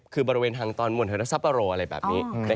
คือบริเวณทางตอนมวลเทอร์ทรัสปาโลอะไรแบบนี้